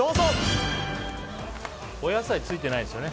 お野菜、ついてないんですよね。